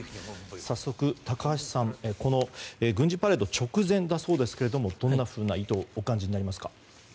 早速、高橋さん軍事パレード直前だそうですけどどんなふうな意図をお感じになりますか。